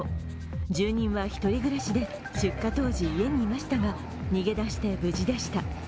住人は１人暮らしで出火当時、家にいましたが、逃げ出して無事でした。